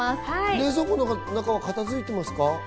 冷蔵庫の中は片づいてますか？